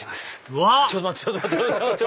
うわっ！